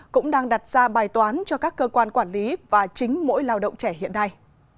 cũng đang đặt ra bài toán cho các cơ quan quản lý và chính mỗi lao động trẻ hiện nay